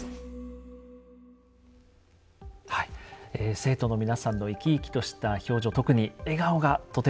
生徒の皆さんの生き生きとした表情特に笑顔がとても印象的でした。